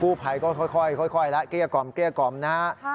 กู้ไผก็ค่อยแล้วเกลียกอมนะ